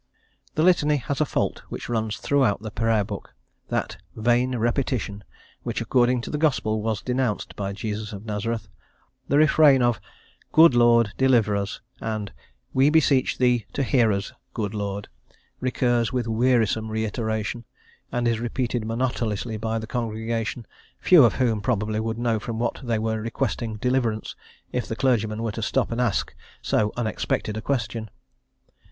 The Litany has a fault which runs throughout the Prayer Book, that "vain repetition" which, according to the Gospel, was denounced by Jesus of Nazareth; the refrain of "Good Lord, deliver us," and "We beseech Thee to hear us, good Lord," recurs with wearisome reiteration, and is repeated monotonously by the congregation, few of whom, probably, would know from what they were requesting deliverance, if the clergyman were to stop and ask so unexpected a question.